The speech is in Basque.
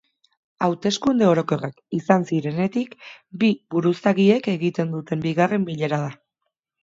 Hauteskunde orokorrak izan zirenetik, bi buruzagiek egiten duten bigarren bilera da.